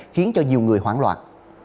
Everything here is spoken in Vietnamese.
khiến cho nhiều người hoảng loạn